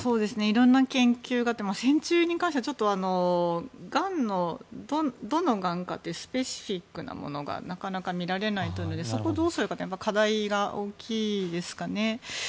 色んな研究があって線虫に関してはがんの、どのがんかっていうスペシフィックなものがなかなか見られないのでそこをどうするかは課題が大きいですかね。